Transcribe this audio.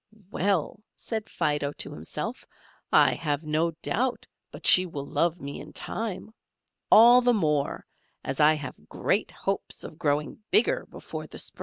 "Well," said Fido to himself, "I have no doubt but she will love me in time; all the more, as I have great hopes of growing bigger before the spring."